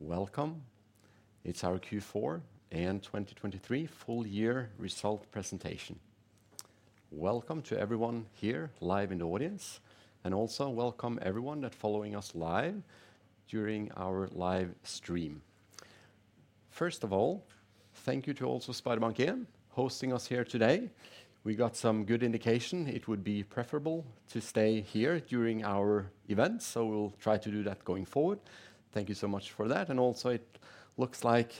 All right. Welcome. It's our Q4 and 2023 full-year result presentation. Welcome to everyone here live in the audience, and also welcome everyone that's following us live during our live stream. First of all, thank you to also SpareBank 1 for hosting us here today. We got some good indication it would be preferable to stay here during our event, so we'll try to do that going forward. Thank you so much for that. And also it looks like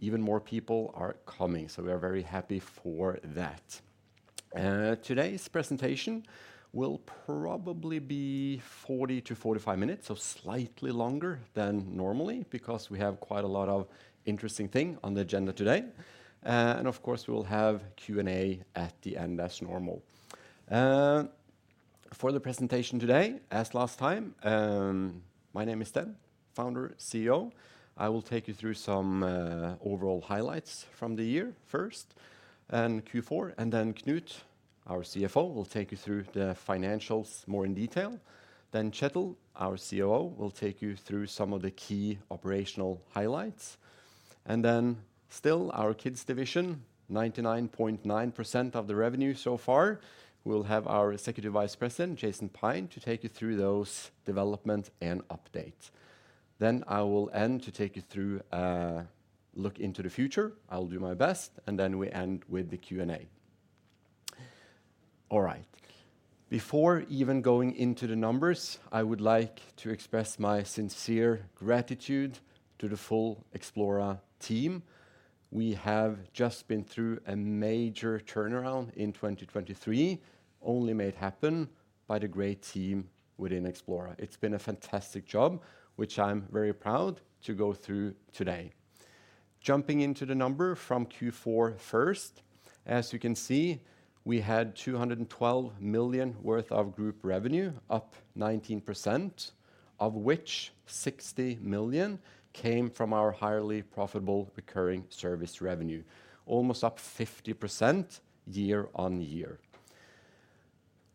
even more people are coming, so we are very happy for that. Today's presentation will probably be 40 minutes-45 minutes, so slightly longer than normally because we have quite a lot of interesting things on the agenda today. Of course, we will have Q&A at the end as normal. For the presentation today, as last time, my name is Sten, founder, CEO. I will take you through some overall highlights from the year first, Q4, and then Knut, our CFO, will take you through the financials more in detail. Then Kjetil, our COO, will take you through some of the key operational highlights. And then still, our Kids' division, 99.9% of the revenue so far, will have our Executive Vice President, Jason Pyne, to take you through those developments and updates. Then I will end to take you through a look into the future. I'll do my best, and then we end with the Q&A. All right. Before even going into the numbers, I would like to express my sincere gratitude to the full Xplora team. We have just been through a major turnaround in 2023, only made happen by the great team within Xplora. It's been a fantastic job, which I'm very proud to go through today. Jumping into the number from Q4 first, as you can see, we had 212 million worth of group revenue, up 19%, of which 60 million came from our highly profitable recurring service revenue, almost up 50% year-on-year.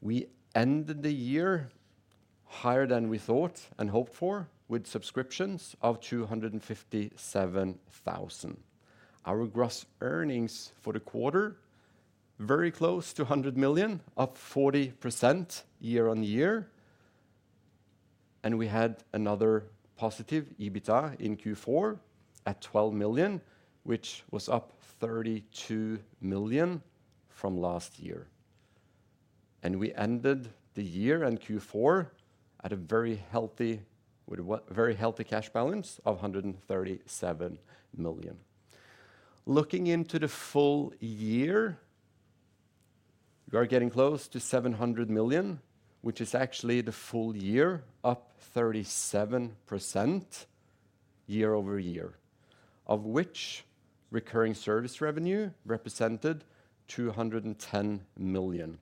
We ended the year higher than we thought and hoped for with subscriptions of 257,000. Our gross earnings for the quarter, very close to 100 million, up 40% year-on-year. And we had another positive EBITDA in Q4 at 12 million, which was up 32 million from last year. And we ended the year and Q4 at a very healthy cash balance of 137 million. Looking into the full year, we are getting close to 700 million, which is actually the full year, up 37% year-over-year, of which recurring service revenue represented 210 million,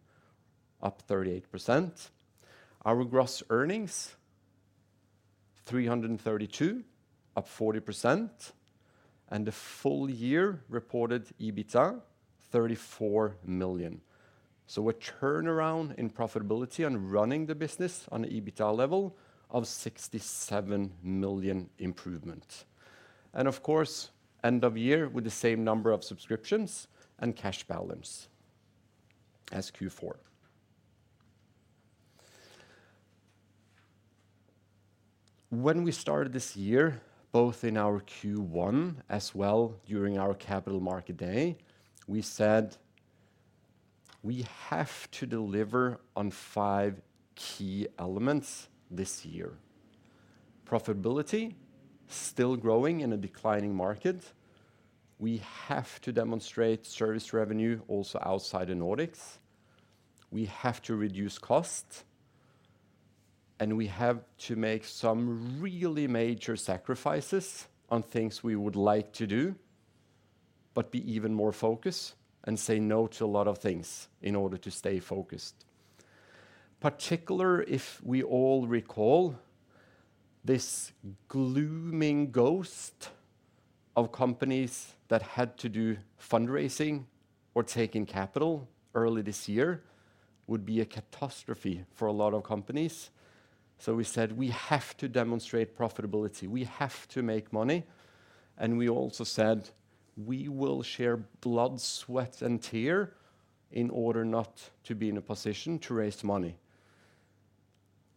up 38%. Our gross earnings, 332 million, up 40%, and the full year reported EBITDA, 34 million. So a turnaround in profitability on running the business on an EBITDA level of 67 million improvement. Of course, end of year with the same number of subscriptions and cash balance as Q4. When we started this year, both in our Q1 as well during our Capital Market Day, we said we have to deliver on five key elements this year. Profitability, still growing in a declining market. We have to demonstrate service revenue also outside of Nordics. We have to reduce cost. We have to make some really major sacrifices on things we would like to do, but be even more focused and say no to a lot of things in order to stay focused. Particularly if we all recall, this looming ghost of companies that had to do fundraising or taking capital early this year would be a catastrophe for a lot of companies. So we said we have to demonstrate profitability. We have to make money. We also said we will share blood, sweat, and tears in order not to be in a position to raise money.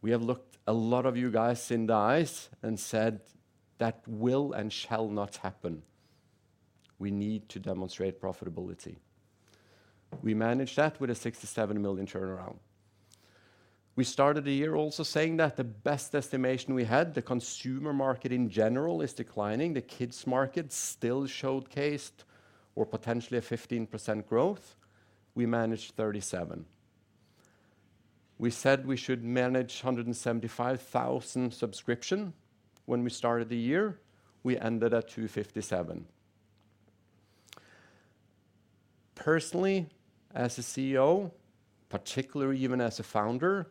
We have looked a lot of you guys in the eyes and said that will and shall not happen. We need to demonstrate profitability. We managed that with a 67 million turnaround. We started the year also saying that the best estimation we had, the consumer market in general is declining. The Kids' market still showcased potentially a 15% growth. We managed 37%. We said we should manage 175,000 subscriptions when we started the year. We ended at 257,000. Personally, as a CEO, particularly even as a founder,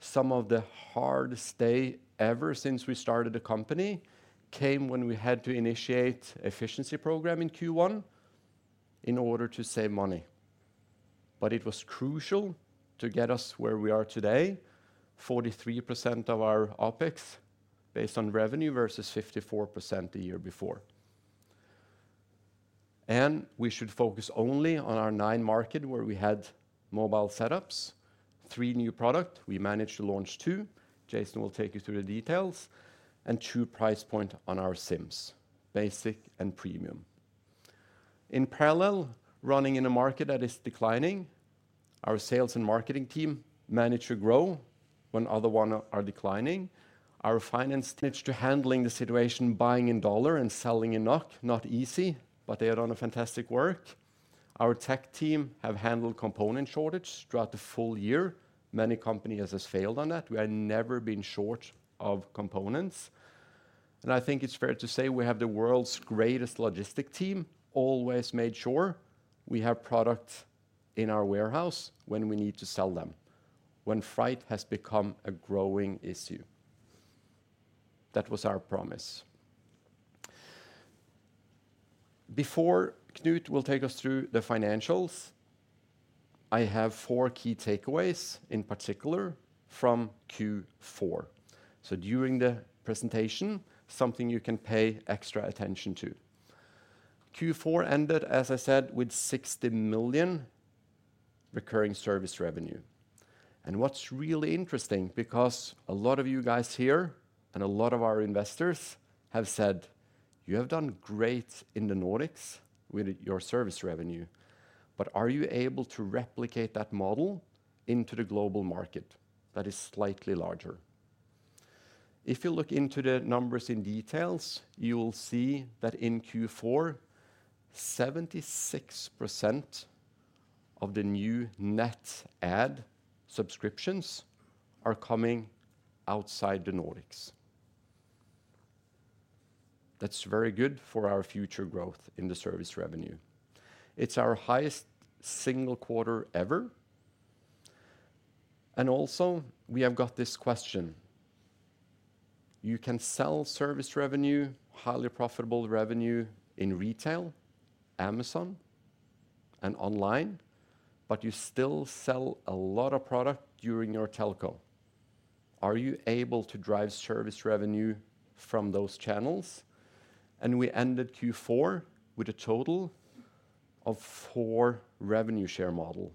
some of the hardest days ever since we started the company came when we had to initiate an efficiency program in Q1 in order to save money. But it was crucial to get us where we are today, 43% of our OpEx based on revenue versus 54% the year before. And we should focus only on our nine markets where we had mobile setups, three new products we managed to launch two, Jason will take you through the details, and two price points on our SIMs, Basic and Premium. In parallel, running in a market that is declining, our sales and marketing team managed to grow when other ones are declining. Our finance managed to handle the situation, buying in dollars and selling in NOK. Not easy, but they are doing fantastic work. Our tech team has handled component shortages throughout the full year. Many companies have failed on that. We have never been short of components. I think it's fair to say we have the world's greatest logistics team, always made sure we have products in our warehouse when we need to sell them, when freight has become a growing issue. That was our promise. Before Knut will take us through the financials, I have four key takeaways in particular from Q4. During the presentation, something you can pay extra attention to. Q4 ended, as I said, with 60 million recurring service revenue. What's really interesting, because a lot of you guys here and a lot of our investors have said, "You have done great in the Nordics with your service revenue, but are you able to replicate that model into the global market that is slightly larger?" If you look into the numbers in detail, you will see that in Q4, 76% of the new net add subscriptions are coming outside the Nordics. That's very good for our future growth in the service revenue. It's our highest single quarter ever. Also, we have got this question. You can sell service revenue, highly profitable revenue in retail, Amazon, and online, but you still sell a lot of product during your telco. Are you able to drive service revenue from those channels? We ended Q4 with a total of four revenue share models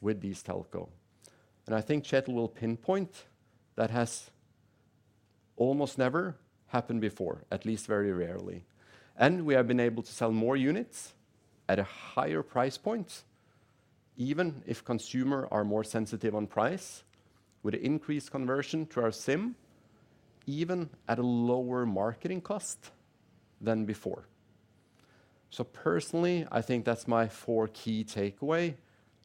with these telcos. I think Kjetil will pinpoint that has almost never happened before, at least very rarely. We have been able to sell more units at a higher price point, even if consumers are more sensitive on price, with an increased conversion to our SIM, even at a lower marketing cost than before. Personally, I think that's my four key takeaways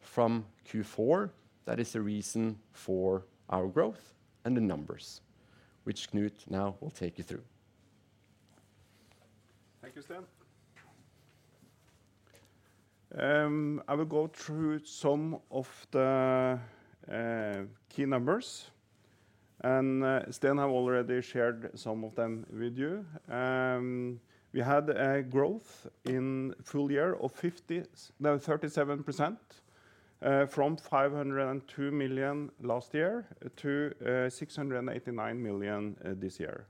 from Q4 that are a reason for our growth and the numbers, which Knut now will take you through. Thank you, Sten. I will go through some of the key numbers. Sten has already shared some of them with you. We had growth in the full year of 37% from 502 million last year to 689 million this year.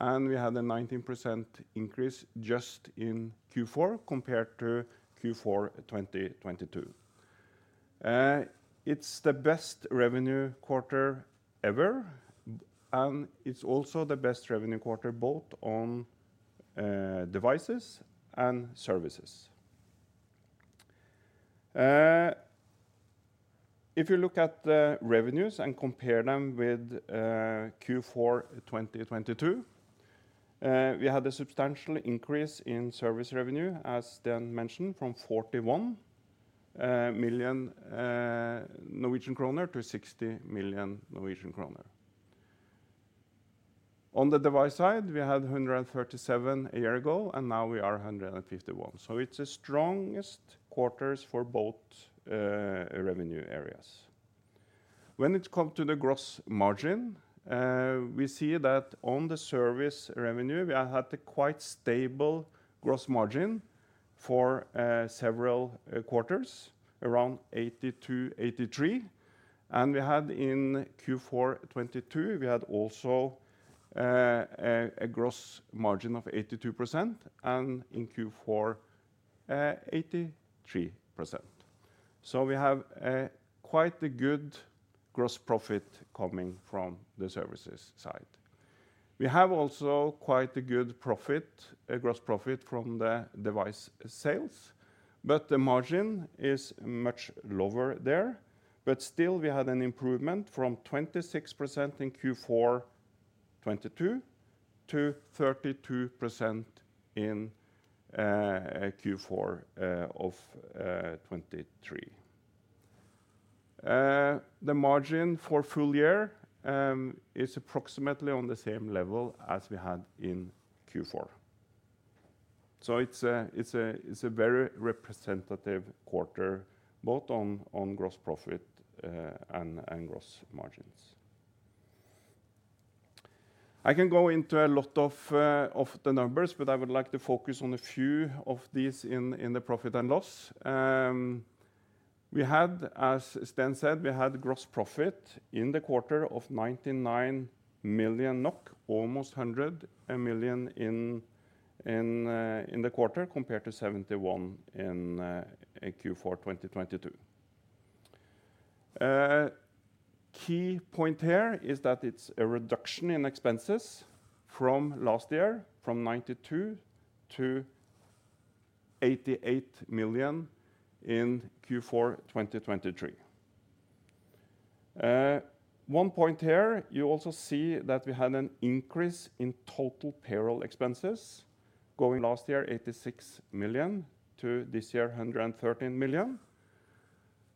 We had a 19% increase just in Q4 compared to Q4 2022. It's the best revenue quarter ever, and it's also the best revenue quarter both on devices and services. If you look at the revenues and compare them with Q4 2022, we had a substantial increase in service revenue, as Sten mentioned, from 41 million-60 million Norwegian kroner. On the device side, we had 137 million a year ago, and now we are 151 million. It's the strongest quarters for both revenue areas. When it comes to the gross margin, we see that on the service revenue, we had a quite stable gross margin for several quarters, around 82%, 83%. In Q4 2022, we had also a gross margin of 82%, and in Q4, 83%. We have quite a good gross profit coming from the services side. We have also quite a good gross profit from the device sales, but the margin is much lower there. But still, we had an improvement from 26% in Q4 2022 to 32% in Q4 2023. The margin for the full year is approximately on the same level as we had in Q4. It's a very representative quarter, both on gross profit and gross margins. I can go into a lot of the numbers, but I would like to focus on a few of these in the profit and loss. As Sten said, we had gross profit in the quarter of 99 million NOK, almost 100 million in the quarter compared to 71 million in Q4 2022. The key point here is that it's a reduction in expenses from last year, from 92 million to 88 million in Q4 2023. One point here, you also see that we had an increase in total payroll expenses, going from last year, 86 million, to this year, 113 million.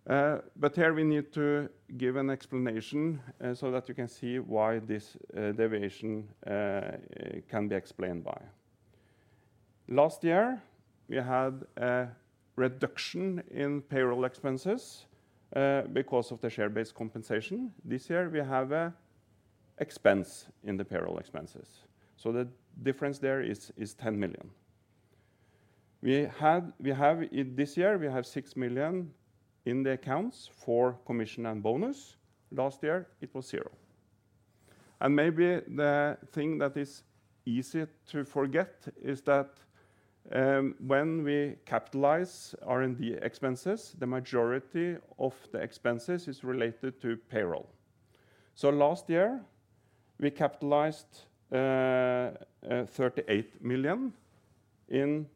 But here we need to give an explanation so that you can see why this deviation can be explained by. Last year, we had a reduction in payroll expenses because of the share-based compensation. This year, we have an expense in the payroll expenses. So the difference there is 10 million. This year, we have 6 million in the accounts for commission and bonus. Last year, it was zero. Maybe the thing that is easy to forget is that when we capitalize R&D expenses, the majority of the expenses is related to payroll. Last year, we capitalized NOK 38 million in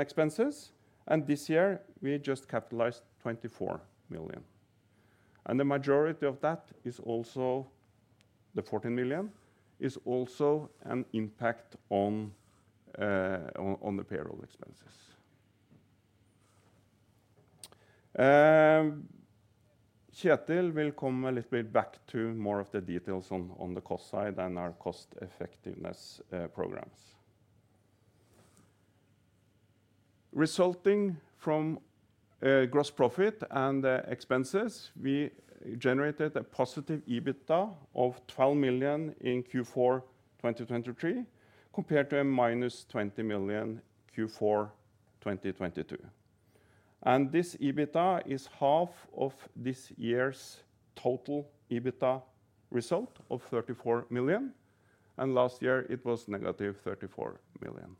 expenses, and this year, we just capitalized 24 million. The majority of that, the 14 million, is also an impact on the payroll expenses. Kjetil will come a little bit back to more of the details on the cost side and our cost-effectiveness programs. Resulting from gross profit and expenses, we generated a positive EBITDA of 12 million in Q4 2023 compared to a minus 20 million in Q4 2022. This EBITDA is half of this year's total EBITDA result of 34 million, and last year, it was negative 34 million.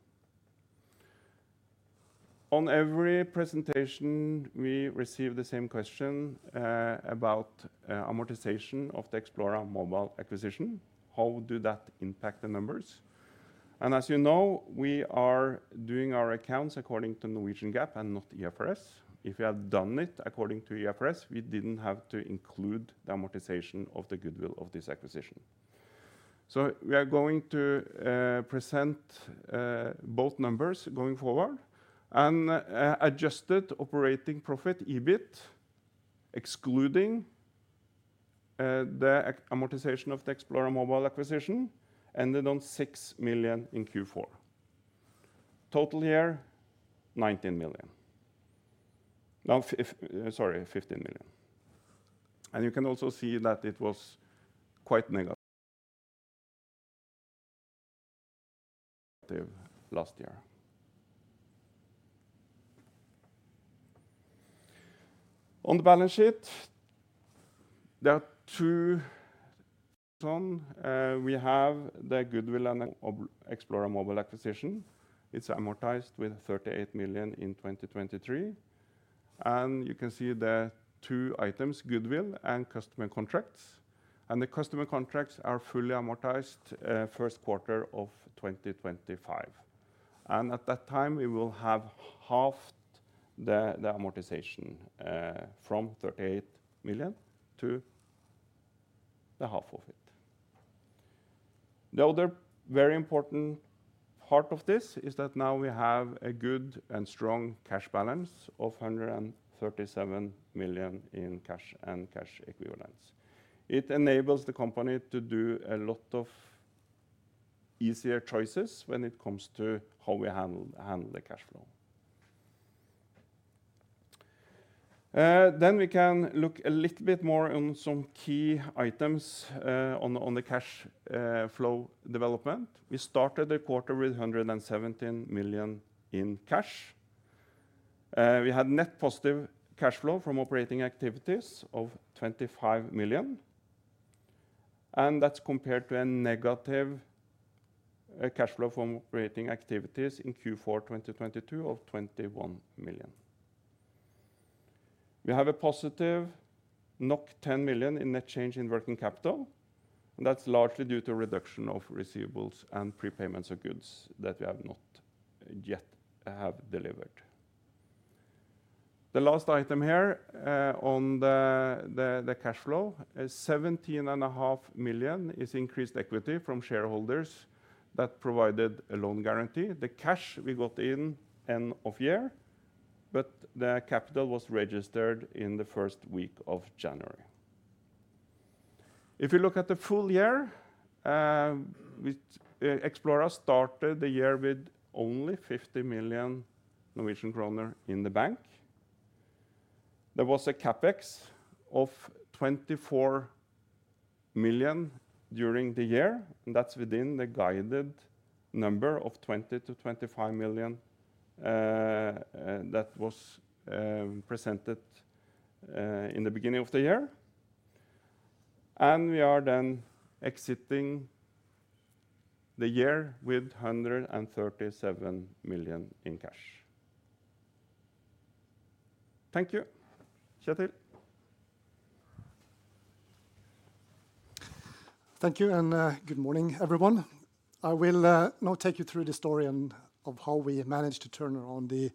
On every presentation, we receive the same question about amortization of the Xplora Mobile acquisition. How does that impact the numbers? As you know, we are doing our accounts according to Norwegian GAAP and not IFRS. If we had done it according to IFRS, we didn't have to include the amortization of the goodwill of this acquisition. So we are going to present both numbers going forward and adjusted operating profit EBIT, excluding the amortization of the Xplora Mobile acquisition, ended on 6 million in Q4. Total year, 19 million. Sorry, 15 million. And you can also see that it was quite negative last year. On the balance sheet, there are two items. We have the goodwill and Xplora Mobile acquisition. It's amortized with 38 million in 2023. And you can see the two items, goodwill and customer contracts. And the customer contracts are fully amortized in the first quarter of 2025. And at that time, we will have halved the amortization from 38 million to the half of it. The other very important part of this is that now we have a good and strong cash balance of 137 million in cash and cash equivalents. It enables the company to do a lot of easier choices when it comes to how we handle the cash flow. Then we can look a little bit more on some key items on the cash flow development. We started the quarter with 117 million in cash. We had net positive cash flow from operating activities of 25 million. And that's compared to a negative cash flow from operating activities in Q4 2022 of 21 million. We have a positive 10 million in net change in working capital. And that's largely due to a reduction of receivables and prepayments of goods that we have not yet delivered. The last item here on the cash flow, 17.5 million, is increased equity from shareholders that provided a loan guarantee. The cash we got in end of year, but the capital was registered in the first week of January. If you look at the full year, Xplora started the year with only 50 million Norwegian kroner in the bank. There was a CapEx of 24 million during the year, and that's within the guided number of 20 million-25 million that was presented in the beginning of the year. We are then exiting the year with 137 million in cash. Thank you, Kjetil. Thank you, and good morning, everyone. I will now take you through the story of how we managed to turn around the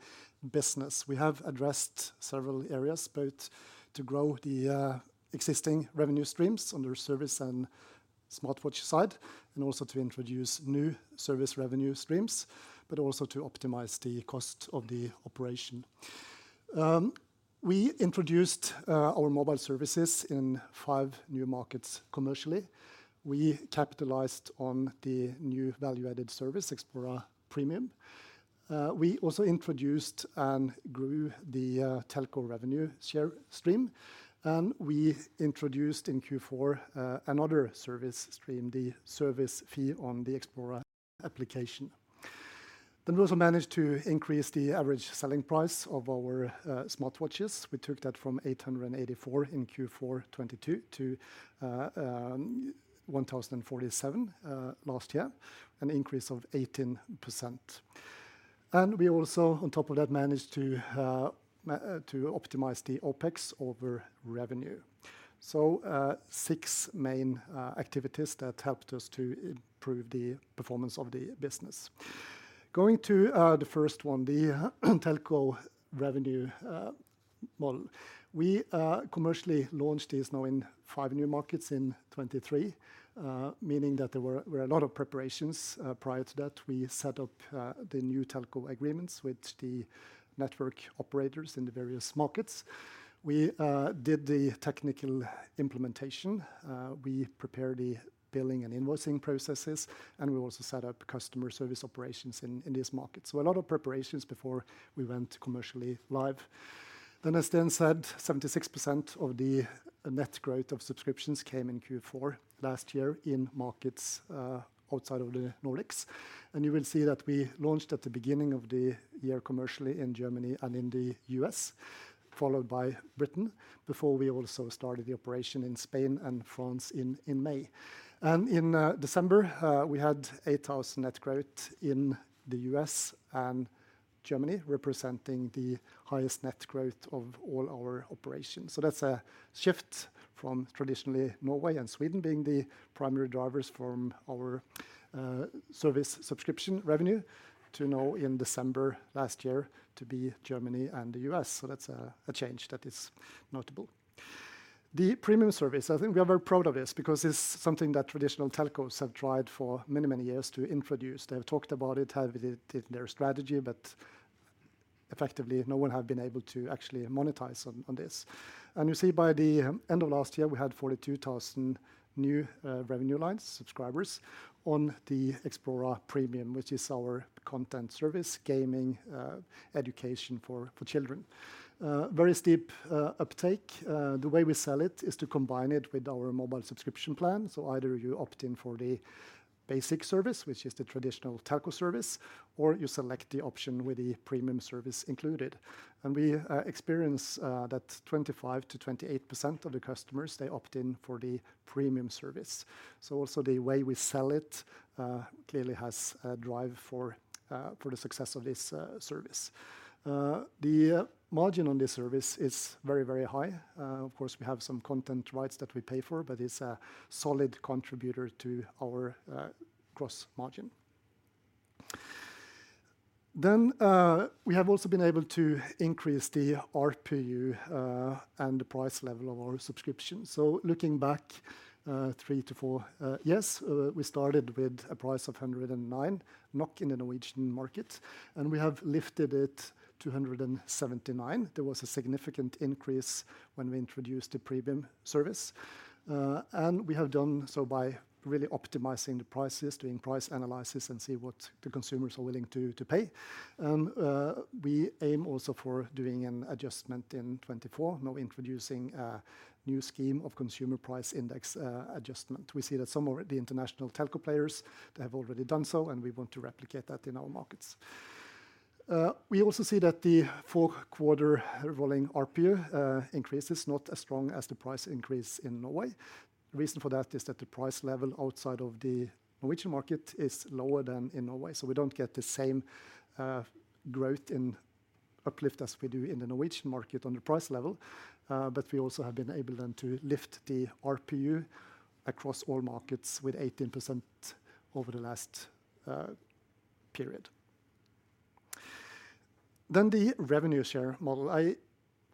business. We have addressed several areas, both to grow the existing revenue streams on the service and smartwatch side, and also to introduce new service revenue streams, but also to optimize the cost of the operation. We introduced our mobile services in five new markets commercially. We capitalized on the new value-added service, Xplora Premium. We also introduced and grew the telco revenue stream. And we introduced in Q4 another service stream, the service fee on the Xplora application. Then we also managed to increase the average selling price of our smartwatches. We took that from 884 in Q4 2022 to 1,047 last year, an increase of 18%. And we also, on top of that, managed to optimize the OpEx over revenue. So, 6 main activities that helped us to improve the performance of the business. Going to the first one, the telco revenue model. We commercially launched these now in five new markets in 2023, meaning that there were a lot of preparations prior to that. We set up the new telco agreements with the network operators in the various markets. We did the technical implementation. We prepared the billing and invoicing processes, and we also set up customer service operations in these markets. So, a lot of preparations before we went commercially live. Then, as Sten said, 76% of the net growth of subscriptions came in Q4 last year in markets outside of the Nordics. And you will see that we launched at the beginning of the year commercially in Germany and in the U.S., followed by Britain, before we also started the operation in Spain and France in May. In December, we had 8,000 net growth in the U.S. and Germany, representing the highest net growth of all our operations. So, that's a shift from traditionally Norway and Sweden being the primary drivers from our service subscription revenue to now, in December last year, to be Germany and the U.S. So, that's a change that is notable. The premium service, I think we are very proud of this because it's something that traditional telcos have tried for many, many years to introduce. They have talked about it, have it in their strategy, but effectively, no one has been able to actually monetize on this. And you see, by the end of last year, we had 42,000 new revenue lines, subscribers, on the Xplora Premium, which is our content service, gaming, education for children. Very steep uptake. The way we sell it is to combine it with our mobile subscription plan. So, either you opt in for the basic service, which is the traditional telco service, or you select the option with the premium service included. And we experience that 25%-28% of the customers, they opt in for the premium service. So, also, the way we sell it clearly has a drive for the success of this service. The margin on this service is very, very high. Of course, we have some content rights that we pay for, but it's a solid contributor to our gross margin. Then, we have also been able to increase the RPU and the price level of our subscription. So, looking back three to four years, we started with a price of 109 NOK in the Norwegian market, and we have lifted it to 179. There was a significant increase when we introduced the premium service. We have done so by really optimizing the prices, doing price analysis, and seeing what the consumers are willing to pay. We aim also for doing an adjustment in 2024, now introducing a new scheme of Consumer Price Index adjustment. We see that some of the international telco players, they have already done so, and we want to replicate that in our markets. We also see that the four-quarter rolling RPU increase is not as strong as the price increase in Norway. The reason for that is that the price level outside of the Norwegian market is lower than in Norway. So, we don't get the same growth and uplift as we do in the Norwegian market on the price level. But we also have been able then to lift the RPU across all markets with 18% over the last period. Then, the revenue share model. I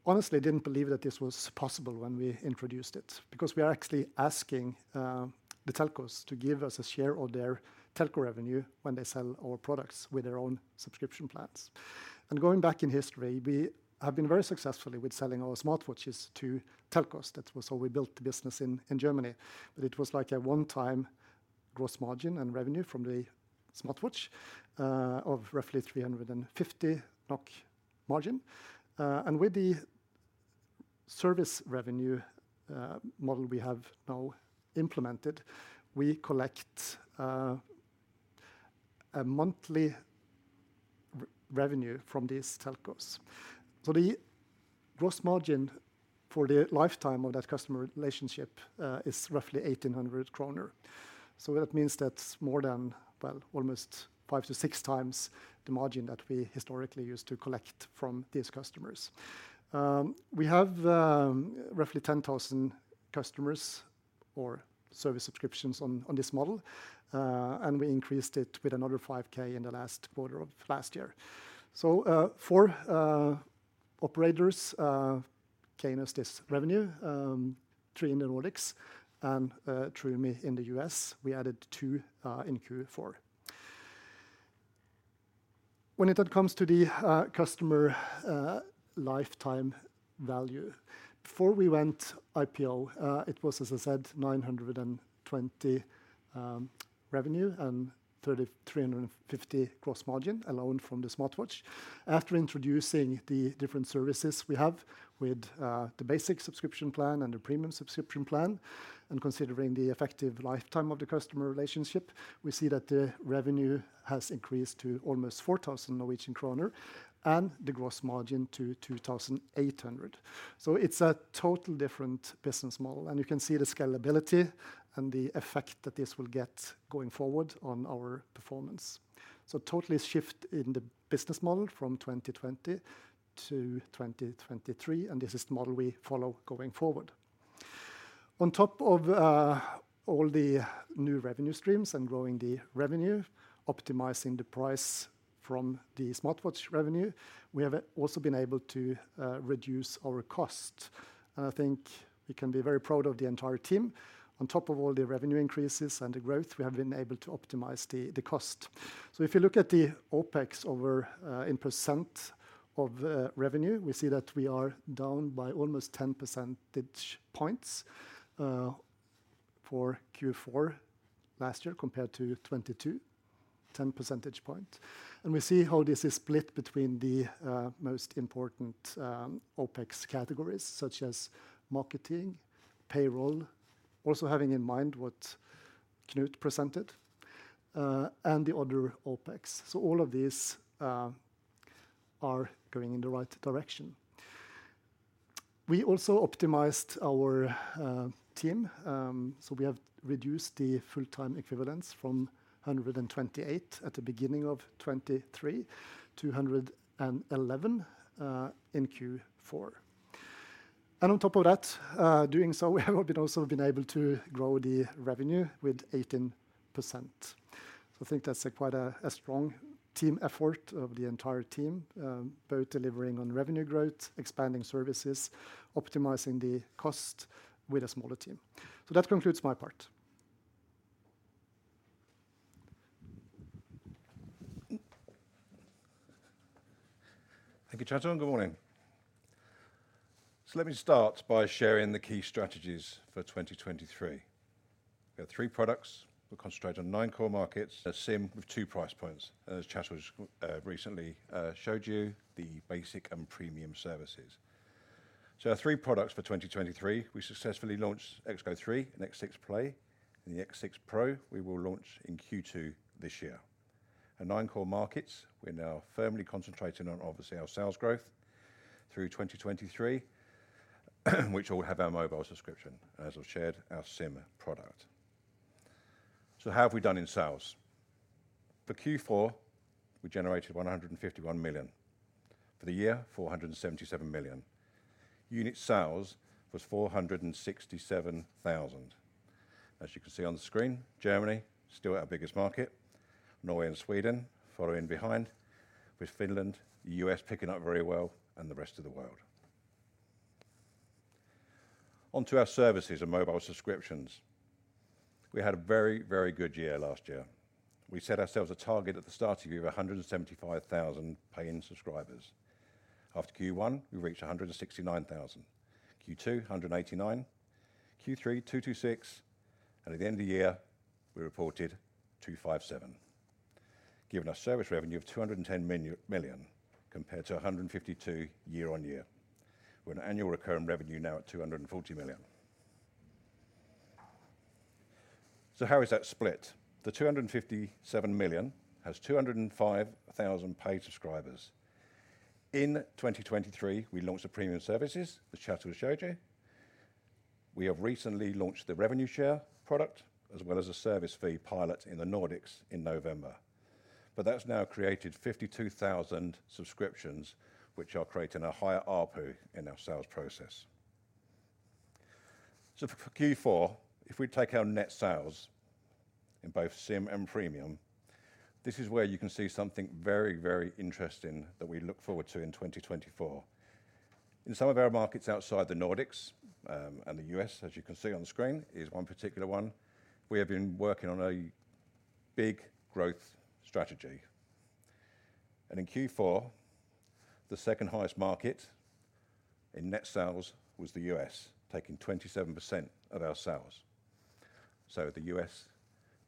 honestly didn't believe that this was possible when we introduced it because we are actually asking the telcos to give us a share of their telco revenue when they sell our products with their own subscription plans. And going back in history, we have been very successful with selling our smartwatches to telcos. That's how we built the business in Germany. But it was like a one-time gross margin and revenue from the smartwatch of roughly 350 NOK margin. And with the service revenue model we have now implemented, we collect a monthly revenue from these telcos. So, the gross margin for the lifetime of that customer relationship is roughly 1,800 kroner. So, that means that's more than, well, almost five to six times the margin that we historically used to collect from these customers. We have roughly 10,000 customers or service subscriptions on this model, and we increased it with another 5,000 in the last quarter of last year. So, four operators gave us this revenue, three in the Nordics and three in the U.S. We added two in Q4. When it comes to the customer lifetime value, before we went IPO, it was, as I said, 920 revenue and 350 gross margin alone from the smartwatch. After introducing the different services we have with the basic subscription plan and the premium subscription plan, and considering the effective lifetime of the customer relationship, we see that the revenue has increased to almost 4,000 Norwegian kroner and the gross margin to 2,800. So, it's a totally different business model. You can see the scalability and the effect that this will get going forward on our performance. Totally shift in the business model from 2020 to 2023, and this is the model we follow going forward. On top of all the new revenue streams and growing the revenue, optimizing the price from the smartwatch revenue, we have also been able to reduce our cost. I think we can be very proud of the entire team. On top of all the revenue increases and the growth, we have been able to optimize the cost. If you look at the OpEx in percent of revenue, we see that we are down by almost 10 percentage points for Q4 last year compared to 2022, 10 percentage points. We see how this is split between the most important OpEx categories, such as marketing, payroll, also having in mind what Knut presented, and the other OpEx. All of these are going in the right direction. We also optimized our team. We have reduced the full-time equivalents from 128 at the beginning of 2023 to 111 in Q4. On top of that, doing so, we have also been able to grow the revenue with 18%. I think that's quite a strong team effort of the entire team, both delivering on revenue growth, expanding services, optimizing the cost with a smaller team. That concludes my part. Thank you, Kjetil, and good morning. So, let me start by sharing the key strategies for 2023. We have three products. We'll concentrate on nine core markets. SIM with two price points. And as Kjetil recently showed you, the basic and premium services. So, our three products for 2023, we successfully launched XGO3 and X6 Play. And the X6 Pro, we will launch in Q2 this year. And nine core markets, we're now firmly concentrating on, obviously, our sales growth through 2023, which all have our mobile subscription, and as I've shared, our SIM product. So, how have we done in sales? For Q4, we generated 151 million. For the year, 477 million. Unit sales was 467,000. As you can see on the screen, Germany, still our biggest market. Norway and Sweden following behind, with Finland, the U.S. picking up very well, and the rest of the world. Onto our services and mobile subscriptions. We had a very, very good year last year. We set ourselves a target at the start of the year of 175,000 paying subscribers. After Q1, we reached 169,000. Q2, 189,000. Q3, 226,000. And at the end of the year, we reported 257,000, giving us service revenue of 210 million compared to 152 million year-over-year. We're at an annual recurring revenue now at 240 million. So, how is that split? The 257,000 has 205,000 paid subscribers. In 2023, we launched the premium services, as Kjetil has showed you. We have recently launched the revenue share product, as well as a service fee pilot in the Nordics in November. But that's now created 52,000 subscriptions, which are creating a higher ARPU in our sales process. So, for Q4, if we take our net sales in both SIM and premium, this is where you can see something very, very interesting that we look forward to in 2024. In some of our markets outside the Nordics and the U.S., as you can see on the screen, is one particular one. We have been working on a big growth strategy. And in Q4, the second highest market in net sales was the U.S., taking 27% of our sales. So, the U.S.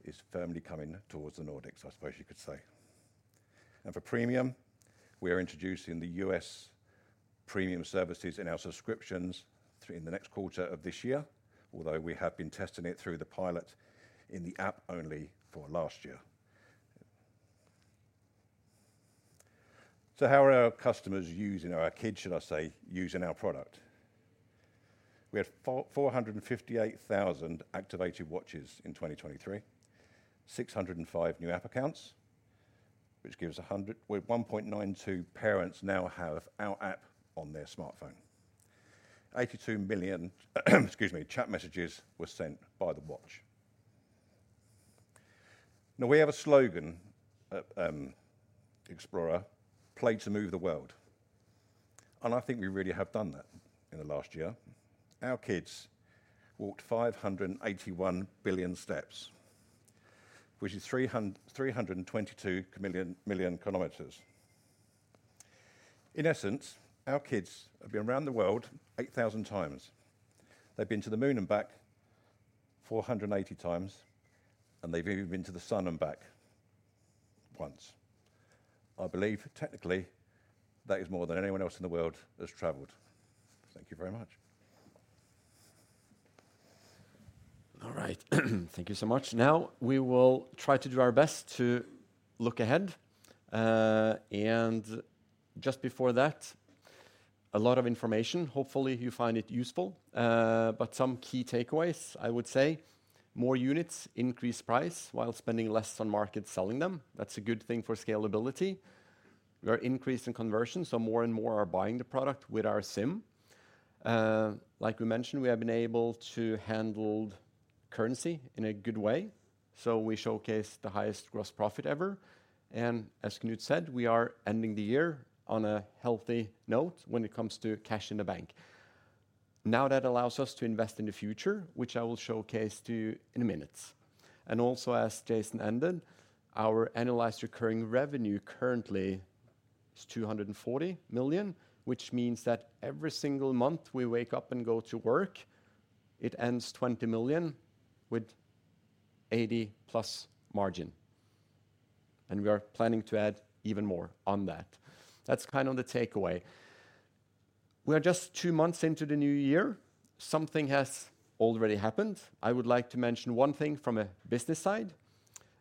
is firmly coming towards the Nordics, I suppose you could say. And for premium, we are introducing the U.S. premium services in our subscriptions in the next quarter of this year, although we have been testing it through the pilot in the app only for last year. So, how are our customers using our kids, should I say, using our product? We had 458,000 activated watches in 2023, 605 new app accounts, which gives 1.92 million parents now have our app on their smartphone. 82 million chat messages were sent by the watch. Now, we have a slogan, Xplora, "Play to move the world." And I think we really have done that in the last year. Our kids walked 581 billion steps, which is 322 million km. In essence, our kids have been around the world 8,000 times. They've been to the moon and back 480 times. And they've even been to the sun and back once. I believe, technically, that is more than anyone else in the world has traveled. Thank you very much. All right. Thank you so much. Now, we will try to do our best to look ahead. And just before that, a lot of information. Hopefully, you find it useful. But some key takeaways, I would say. More units, increased price while spending less on marketing selling them. That's a good thing for scalability. We are increasing conversion, so more and more are buying the product with our SIM. Like we mentioned, we have been able to handle currency in a good way. We showcase the highest gross profit ever. And as Knut said, we are ending the year on a healthy note when it comes to cash in the bank. Now, that allows us to invest in the future, which I will showcase to you in a minute. And also, as Jason ended, our annualized recurring revenue currently is 240 million, which means that every single month we wake up and go to work, it ends 20 million with 80%+ margin. And we are planning to add even more on that. That's kind of the takeaway. We are just two months into the new year. Something has already happened. I would like to mention one thing from a business side.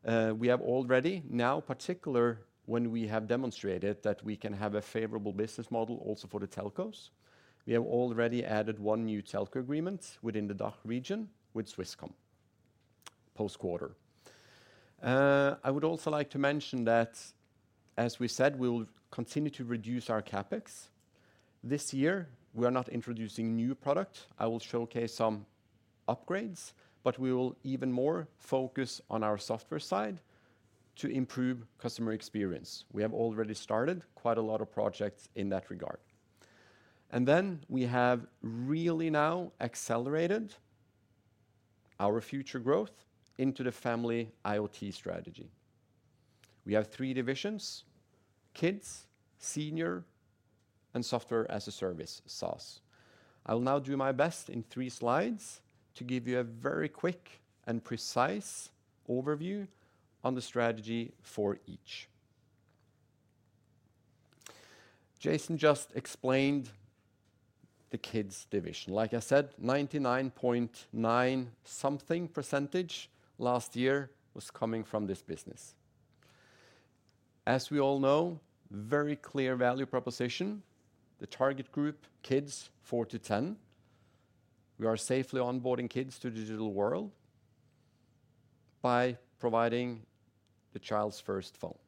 We have already now, particularly when we have demonstrated that we can have a favorable business model also for the telcos. We have already added one new telco agreement within the DACH region with Swisscom post-quarter. I would also like to mention that, as we said, we will continue to reduce our CapEx. This year, we are not introducing new products. I will showcase some upgrades, but we will even more focus on our software side to improve customer experience. We have already started quite a lot of projects in that regard. And then we have really now accelerated our future growth into the family IoT strategy. We have three divisions: Kids, Senior, and Software as a Service, SaaS. I will now do my best in three slides to give you a very quick and precise overview on the strategy for each. Jason just explained the Kids division. Like I said, 99.9-something percentage last year was coming from this business. As we all know, very clear value proposition. The target group, kids, four to 10. We are safely onboarding kids to the digital world by providing the child's first phone.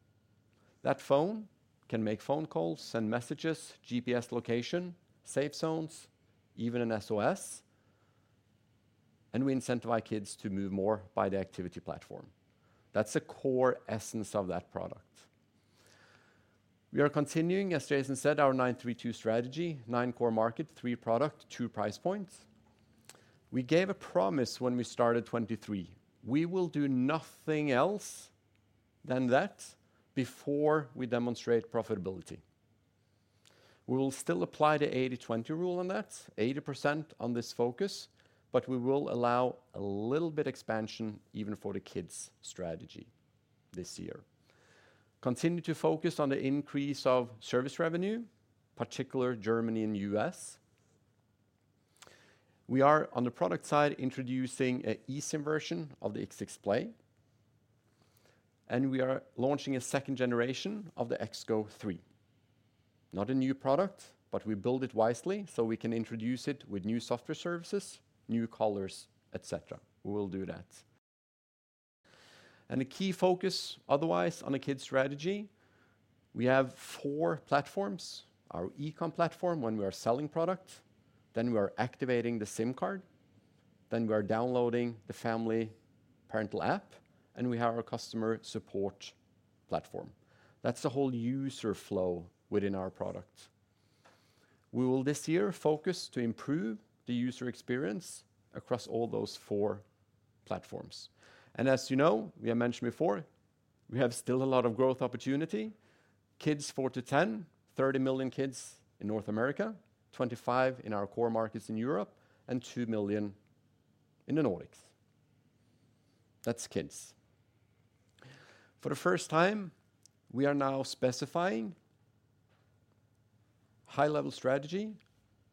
That phone can make phone calls, send messages, GPS location, safe zones, even an SOS. And we incentivize kids to move more by the activity platform. That's the core essence of that product. We are continuing, as Jason said, our 932 strategy, nine core market, three product, two price points. We gave a promise when we started 2023. We will do nothing else than that before we demonstrate profitability. We will still apply the 80/20 rule on that, 80% on this focus, but we will allow a little bit of expansion even for the Kids strategy this year. Continue to focus on the increase of service revenue, particularly Germany and the U.S. We are, on the product side, introducing an eSIM version of the X6 Play. We are launching a second generation of the XGO3. Not a new product, but we build it wisely so we can introduce it with new software services, new colors, etc. We will do that. A key focus, otherwise, on the Kids strategy, we have four platforms: our eCom platform when we are selling products, then we are activating the SIM card, then we are downloading the family parental app, and we have our customer support platform. That's the whole user flow within our product. We will, this year, focus to improve the user experience across all those four platforms. And as you know, we have mentioned before, we have still a lot of growth opportunity: kids four to 10, 30 million kids in North America, 25 in our core markets in Europe, and 2 million in the Nordics. That's kids. For the first time, we are now specifying a high-level strategy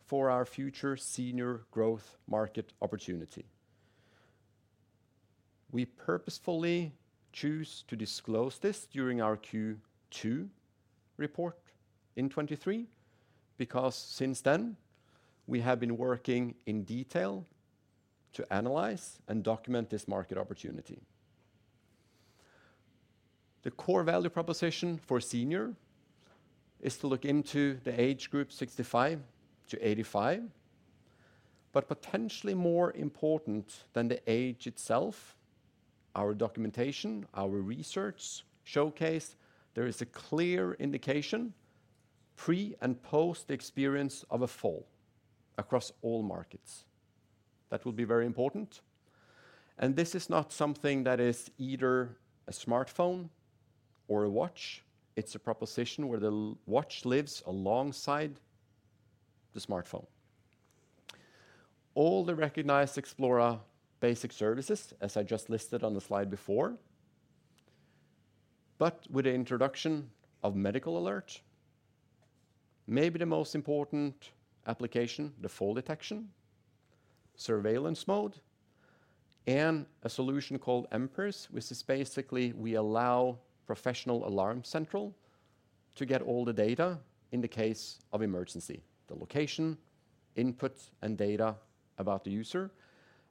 for our future senior growth market opportunity. We purposefully choose to disclose this during our Q2 report in 2023 because since then, we have been working in detail to analyze and document this market opportunity. The core value proposition for senior is to look into the age group 65-85, but potentially more important than the age itself, our documentation, our research showcase, there is a clear indication pre- and post- the experience of a fall across all markets. That will be very important. This is not something that is either a smartphone or a watch. It's a proposition where the watch lives alongside the smartphone. All the recognized Xplora basic services, as I just listed on the slide before, but with the introduction of Medical Alert, maybe the most important application, the fall detection, surveillance mode, and a solution called mPERS, which is basically we allow Professional Alarm Central to get all the data in the case of emergency: the location, input, and data about the user.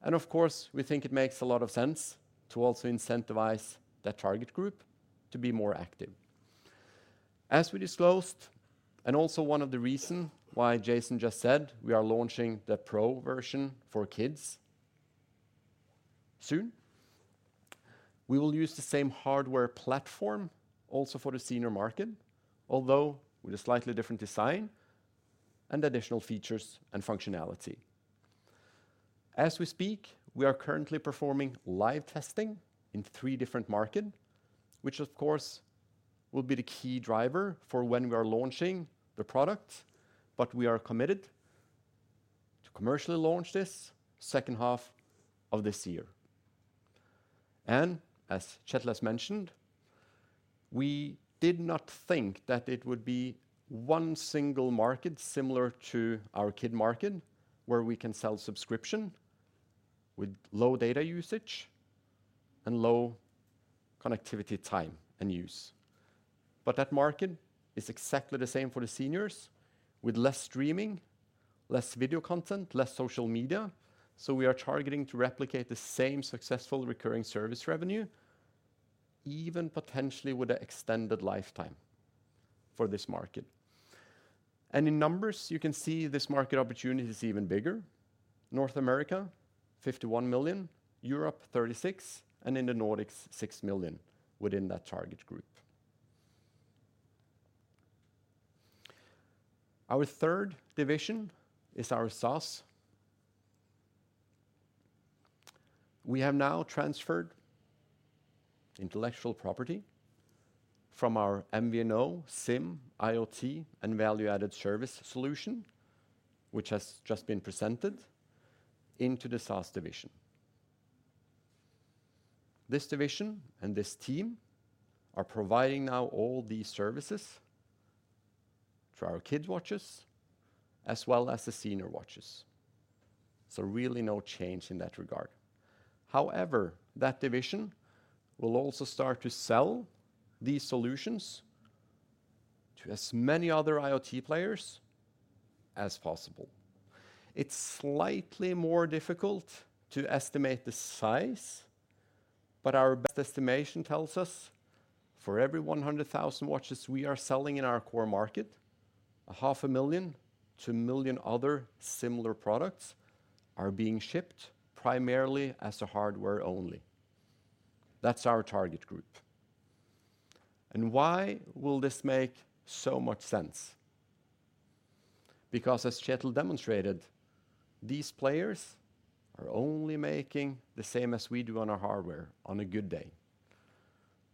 Of course, we think it makes a lot of sense to also incentivize that target group to be more active. As we disclosed, and also one of the reasons why Jason just said we are launching the Pro version for kids soon, we will use the same hardware platform also for the senior market, although with a slightly different design and additional features and functionality. As we speak, we are currently performing live testing in three different markets, which, of course, will be the key driver for when we are launching the product, but we are committed to commercially launch this second half of this year. As Kjetil's mentioned, we did not think that it would be one single market similar to our kid market where we can sell subscription with low data usage and low connectivity time and use. That market is exactly the same for the seniors, with less streaming, less video content, less social media. We are targeting to replicate the same successful recurring service revenue, even potentially with an extended lifetime for this market. In numbers, you can see this market opportunity is even bigger: North America, 51 million; Europe, 36 million; and in the Nordics, 6 million within that target group. Our third division is our SaaS. We have now transferred intellectual property from our MVNO SIM IoT and value-added service solution, which has just been presented, into the SaaS division. This division and this team are providing now all these services for our kid watches as well as the senior watches. So really no change in that regard. However, that division will also start to sell these solutions to as many other IoT players as possible. It's slightly more difficult to estimate the size, but our best estimation tells us for every 100,000 watches we are selling in our core market, 500,000 to 1 million other similar products are being shipped primarily as hardware only. That's our target group. And why will this make so much sense? Because, as Kjetil demonstrated, these players are only making the same as we do on our hardware on a good day.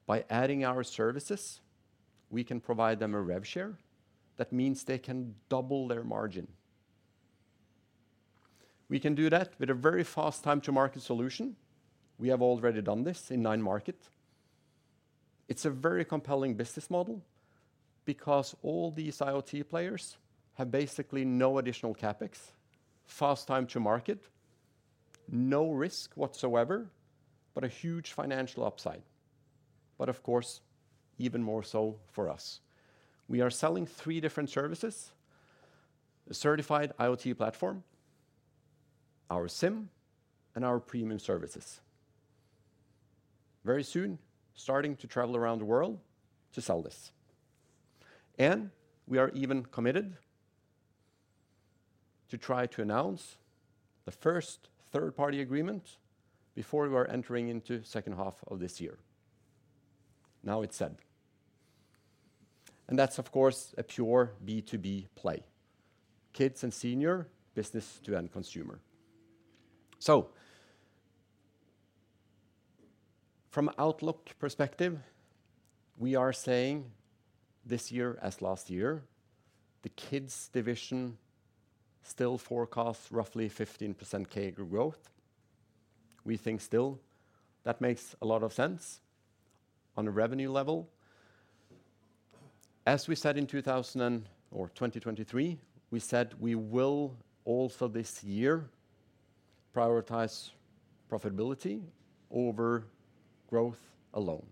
By adding our services, we can provide them a rev share. That means they can double their margin. We can do that with a very fast time-to-market solution. We have already done this in nine markets. It's a very compelling business model because all these IoT players have basically no additional CapEx, fast time-to-market, no risk whatsoever, but a huge financial upside. But of course, even more so for us. We are selling three different services: a certified IoT platform, our SIM, and our premium services. Very soon, starting to travel around the world to sell this. We are even committed to try to announce the first third-party agreement before we are entering into the second half of this year. Now it's said. That's, of course, a pure B2B play: kids and senior, business to end consumer. So from an outlook perspective, we are saying this year as last year, the kids division still forecasts roughly 15% CAGR growth. We think still. That makes a lot of sense on a revenue level. As we said in 2023, we said we will also this year prioritize profitability over growth alone.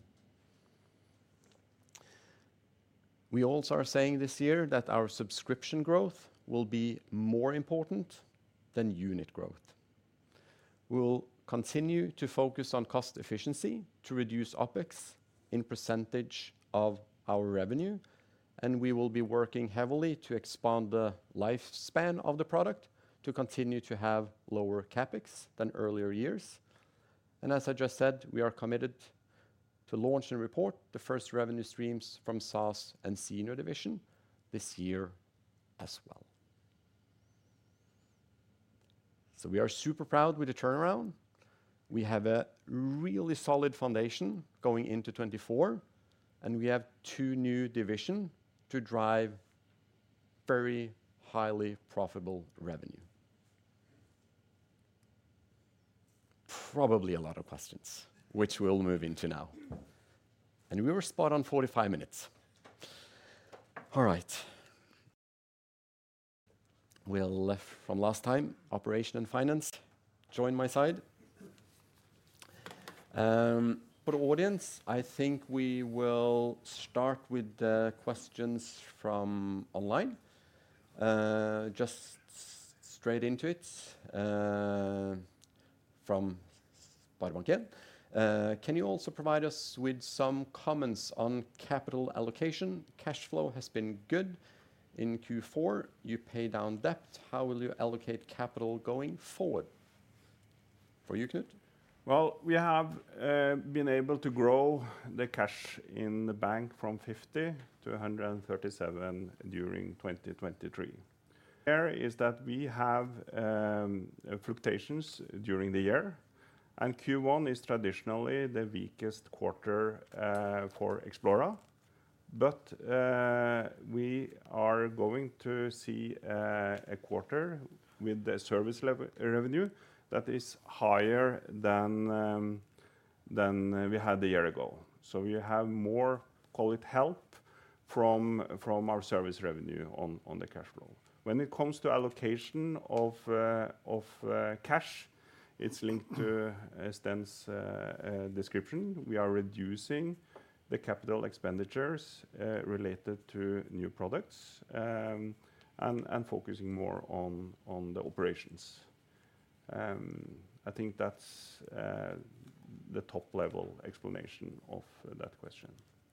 We also are saying this year that our subscription growth will be more important than unit growth. We will continue to focus on cost efficiency to reduce OpEx in percentage of our revenue. We will be working heavily to expand the lifespan of the product to continue to have lower CapEx than earlier years. As I just said, we are committed to launch and report the first revenue streams from SaaS and senior division this year as well. We are super proud with the turnaround. We have a really solid foundation going into 2024, and we have two new divisions to drive very highly profitable revenue. Probably a lot of questions, which we'll move into now. We were spot on 45 minutes. All right. We are left from last time, operation and finance. Join my side. For the audience, I think we will start with the questions from online. Just straight into it from SpareBank 1. Can you also provide us with some comments on capital allocation? Cash flow has been good in Q4. You pay down debt. How will you allocate capital going forward? For you, Knut? Well, we have been able to grow the cash in the bank from 50-137 during 2023. There is that we have fluctuations during the year. Q1 is traditionally the weakest quarter for Xplora. We are going to see a quarter with the service revenue that is higher than we had the year ago. We have more, call it, help from our service revenue on the cash flow. When it comes to allocation of cash, it's linked to Sten's description. We are reducing the capital expenditures related to new products and focusing more on the operations. I think that's the top-level explanation of that question.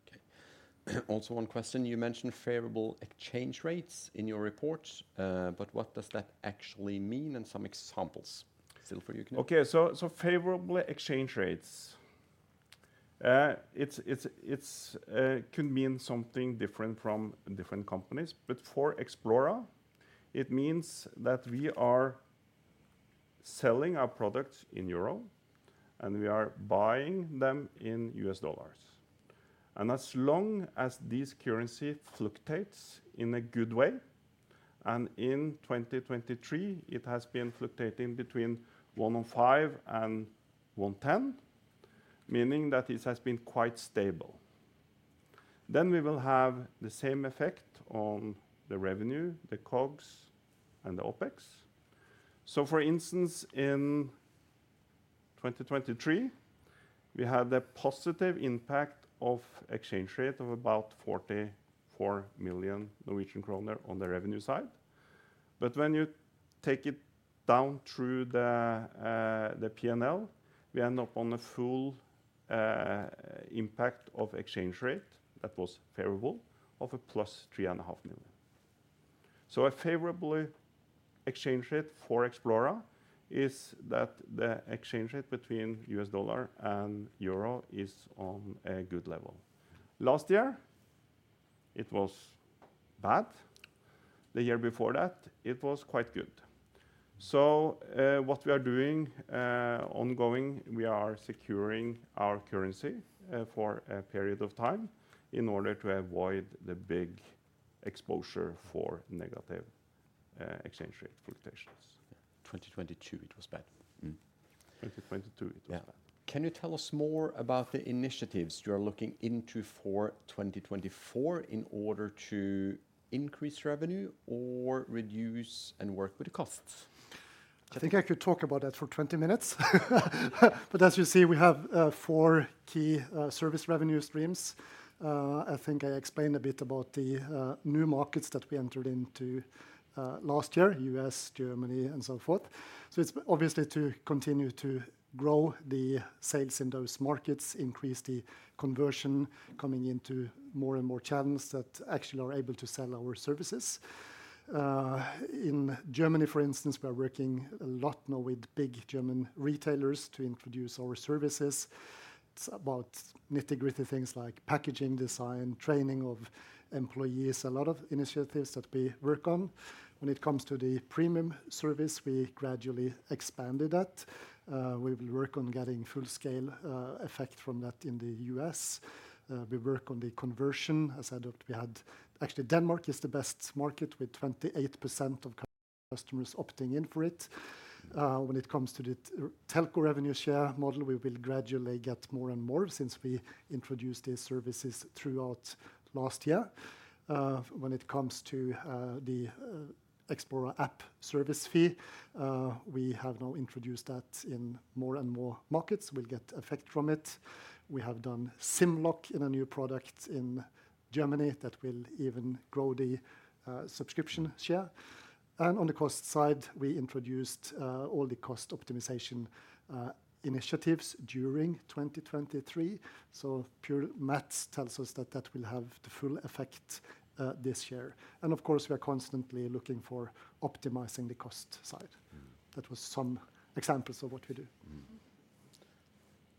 Okay. Also one question. You mentioned favorable exchange rates in your report, but what does that actually mean and some examples? Still for you, Knut. Okay. So favorable exchange rates, it could mean something different from different companies. But for Xplora, it means that we are selling our products in euro and we are buying them in U.S. dollars. And as long as this currency fluctuates in a good way, and in 2023, it has been fluctuating between 1.05-1.10, meaning that this has been quite stable. Then we will have the same effect on the revenue, the COGS, and the OpEx. So for instance, in 2023, we had a positive impact of exchange rate of about 44 million Norwegian kroner on the revenue side. But when you take it down through the P&L, we end up on a full impact of exchange rate that was favorable of +3.5 million. A favorable exchange rate for Xplora is that the exchange rate between U.S. dollar and euro is on a good level. Last year, it was bad. The year before that, it was quite good. So what we are doing ongoing, we are securing our currency for a period of time in order to avoid the big exposure for negative exchange rate fluctuations. 2022, it was bad. 2022, it was bad. Can you tell us more about the initiatives you are looking into for 2024 in order to increase revenue or reduce and work with the costs? I think I could talk about that for 20 minutes. But as you see, we have four key service revenue streams. I think I explained a bit about the new markets that we entered into last year: U.S., Germany, and so forth. So it's obviously to continue to grow the sales in those markets, increase the conversion coming into more and more channels that actually are able to sell our services. In Germany, for instance, we are working a lot now with big German retailers to introduce our services. It's about nitty-gritty things like packaging design, training of employees, a lot of initiatives that we work on. When it comes to the premium service, we gradually expanded that. We will work on getting full-scale effect from that in the U.S. We work on the conversion. As I said, we had actually Denmark is the best market with 28% of customers opting in for it. When it comes to the telco revenue share model, we will gradually get more and more since we introduced these services throughout last year. When it comes to the Xplora app service fee, we have now introduced that in more and more markets. We'll get effect from it. We have done SIM lock in a new product in Germany that will even grow the subscription share. And on the cost side, we introduced all the cost optimization initiatives during 2023. So pure maths tells us that that will have the full effect this year. And of course, we are constantly looking for optimizing the cost side. That was some examples of what we do.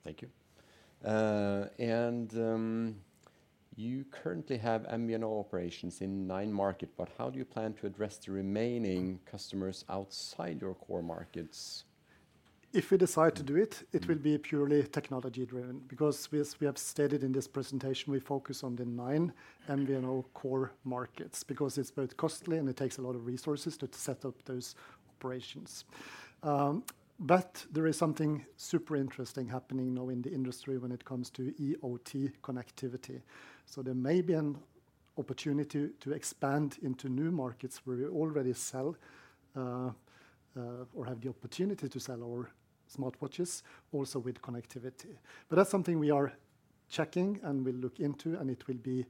Thank you. And you currently have MVNO operations in nine markets, but how do you plan to address the remaining customers outside your core markets? If we decide to do it, it will be purely technology-driven. Because we have stated in this presentation, we focus on the nine MVNO core markets because it's both costly and it takes a lot of resources to set up those operations. But there is something super interesting happening now in the industry when it comes to IoT connectivity. So there may be an opportunity to expand into new markets where we already sell or have the opportunity to sell our smartwatches also with connectivity. But that's something we are checking and we'll look into, and it will be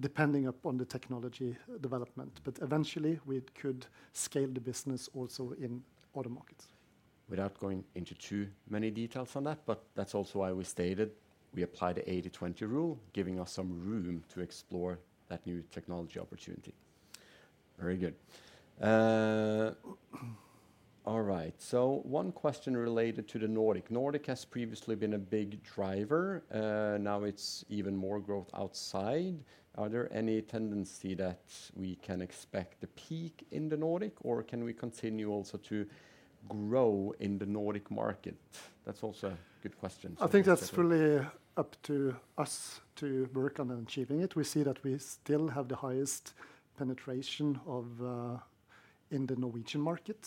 depending upon the technology development. But eventually, we could scale the business also in other markets. Without going into too many details on that, but that's also why we stated we apply the 80/20 rule, giving us some room to explore that new technology opportunity. Very good. All right. So one question related to the Nordic. Nordics has previously been a big driver. Now it's even more growth outside. Are there any tendencies that we can expect a peak in the Nordics, or can we continue also to grow in the Nordics market? That's also a good question. I think that's really up to us to work on and achieving it. We see that we still have the highest penetration in the Norwegian market.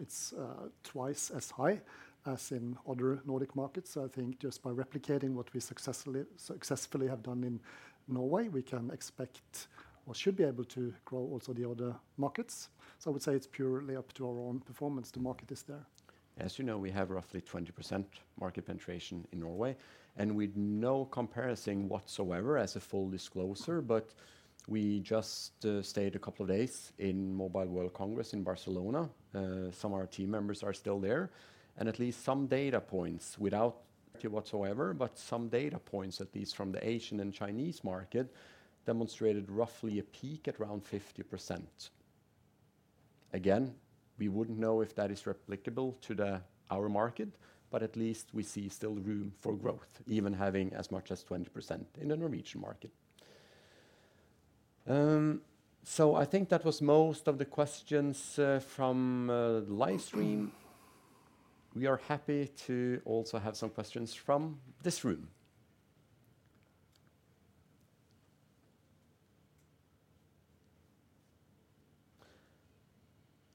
It's twice as high as in other Nordics markets. So I think just by replicating what we successfully have done in Norway, we can expect or should be able to grow also the other markets. So I would say it's purely up to our own performance. The market is there. As you know, we have roughly 20% market penetration in Norway. We had no comparison whatsoever, as full disclosure, but we just stayed a couple of days in Mobile World Congress in Barcelona. Some of our team members are still there. And at least some data points without whatsoever, but some data points, at least from the Asian and Chinese market, demonstrated roughly a peak at around 50%. Again, we wouldn't know if that is replicable to our market, but at least we see still room for growth, even having as much as 20% in the Norwegian market. So I think that was most of the questions from the live stream. We are happy to also have some questions from this room.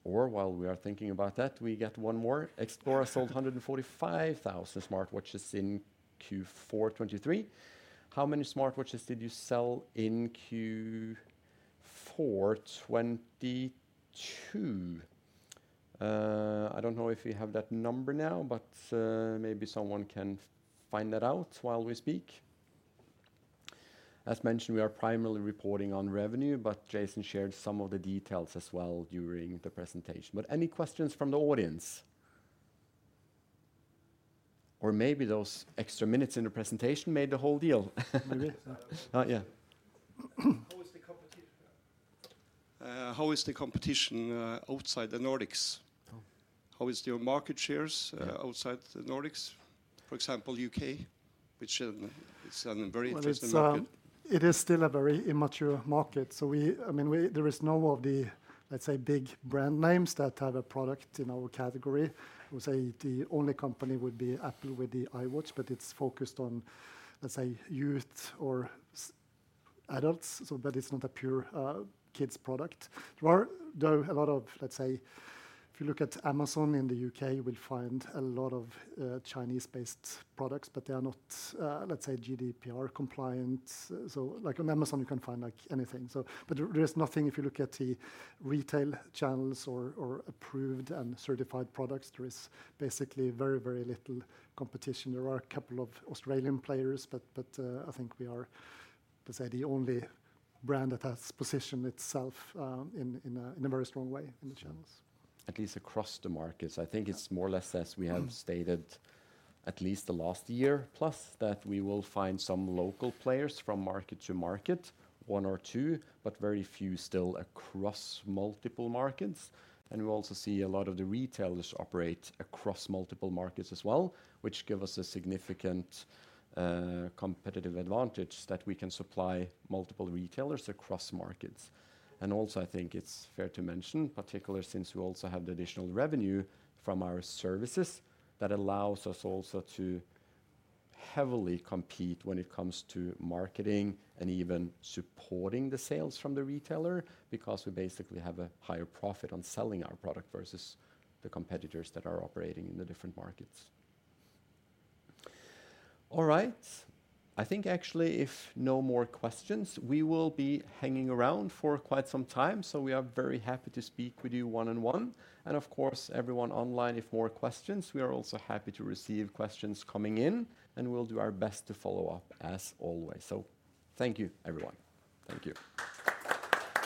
Or while we are thinking about that, we get one more. Xplora sold 145,000 smartwatches in Q4 2023. How many smartwatches did you sell in Q4 2022? I don't know if we have that number now, but maybe someone can find that out while we speak. As mentioned, we are primarily reporting on revenue, but Jason shared some of the details as well during the presentation. But any questions from the audience? Or maybe those extra minutes in the presentation made the whole deal. We did. Yeah. How is the competition outside the Nordics? How is your market shares outside the Nordics? For example, U.K., which is a very interesting market. t is still a very immature market. So I mean, there is no of the, let's say, big brand names that have a product in our category. I would say the only company would be Apple with the iWatch, but it's focused on, let's say, youth or adults. But it's not a pure kids' product. There are, though, a lot of, let's say, if you look at Amazon in the U.K., you will find a lot of Chinese-based products, but they are not, let's say, GDPR compliant. So on Amazon, you can find anything. But there is nothing, if you look at the retail channels or approved and certified products, there is basically very, very little competition. There are a couple of Australian players, but I think we are, let's say, the only brand that has positioned itself in a very strong way in the channels. At least across the markets. I think it's more or less as we have stated at least the last year plus that we will find some local players from market to market, one or two, but very few still across multiple markets. We also see a lot of the retailers operate across multiple markets as well, which gives us a significant competitive advantage that we can supply multiple retailers across markets. Also, I think it's fair to mention, particularly since we also have the additional revenue from our services, that allows us also to heavily compete when it comes to marketing and even supporting the sales from the retailer because we basically have a higher profit on selling our product versus the competitors that are operating in the different markets. All right. I think actually, if no more questions, we will be hanging around for quite some time. We are very happy to speak with you one-on-one. Of course, everyone online, if more questions, we are also happy to receive questions coming in, and we'll do our best to follow up as always. Thank you, everyone. Thank you.